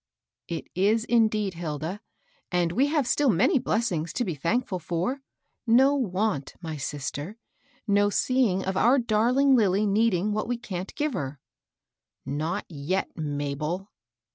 " It was indeed, Hilda. And we have still many blessings to be thankful for, — no want^ my sister, — no seeing of our darling Lilly needing what we Can't give her." "Not yet, Mabel."